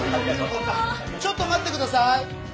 ちょっと待って下さい！